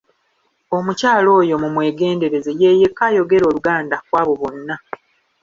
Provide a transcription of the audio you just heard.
Omukyala oyo mu mwegendereze ye yekka ayogera Oluganda ku abo bonna.